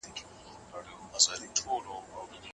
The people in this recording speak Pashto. ځینې خلک چاپېریال ته اندېښمن دي.